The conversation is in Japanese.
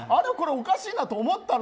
おかしいなと思ったら。